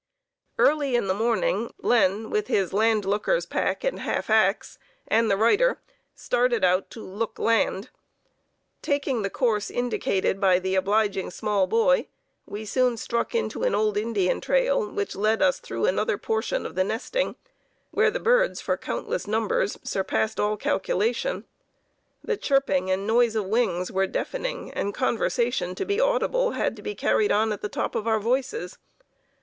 Early in the morning, Len, with his land looker's pack and half ax, and the writer, started out to "look land." Taking the course indicated by the obliging small boy, we soon struck into an old Indian trail which led us through another portion of the nesting, where the birds for countless numbers surpassed all calculation. The chirping and noise of wings were deafening and conversation, to be audible, had to be carried on at the top of our voices.